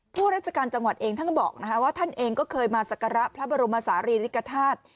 ผู้ราชการจังหวัดเองท่านก็บอกว่าท่านเองก็เคยมาสักการะพระบรมศาลีริกฐาตุ